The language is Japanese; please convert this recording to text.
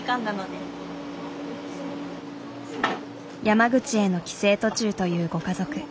山口への帰省途中というご家族。